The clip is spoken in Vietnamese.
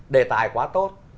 đề tài quá tốt